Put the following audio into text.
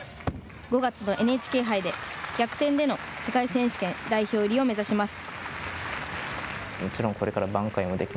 ５月のＮＨＫ杯で逆転での世界選手権代表入りを目指します。